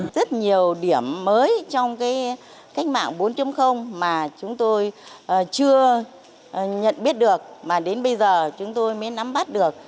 rất nhiều điểm mới trong cách mạng bốn mà chúng tôi chưa nhận biết được mà đến bây giờ chúng tôi mới nắm bắt được